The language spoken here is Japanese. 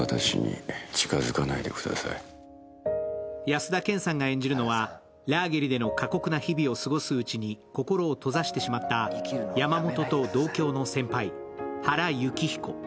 安田顕さんが演じるのは、ラーゲリでの過酷な日々を過ごすうちに心を閉ざしてしまった山本と同郷の先輩、原幸彦。